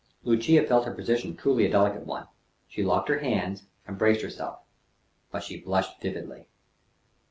Lucia felt her position truly a delicate one. She locked her hands, and braced herself; but she blushed vividly.